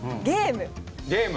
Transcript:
ゲーム。